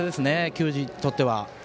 球児にとって。